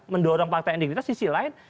mendorong fakta integritas di sisi lain